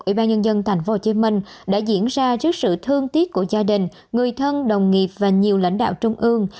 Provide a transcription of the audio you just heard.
ủy ban nhân dân tp hcm đã diễn ra trước sự thương tiếc của gia đình người thân đồng nghiệp và nhiều lãnh đạo trung ương